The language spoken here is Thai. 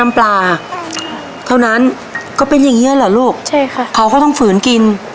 แม่ชอบกินไข่ไหมลูก